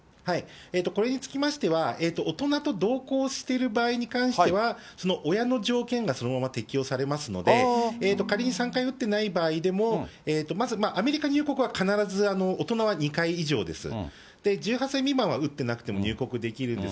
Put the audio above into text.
これにつきましては、大人と同行している場合に関しては、その親の条件がそのまま適用されますので、仮に３回打ってない場合でも、まず、アメリカ入国は必ず大人は２回以上です。